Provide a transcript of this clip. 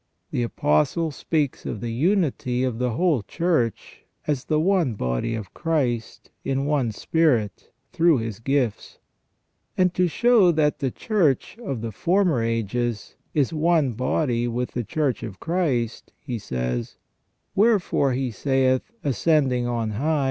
The Apostle speaks of the unity of the whole Church as the one body of Christ in one spirit, through His gifts ; and to show that the Church of the former ages is one body with the Church of Christ, he says :" Wherefore He saith : Ascending on high.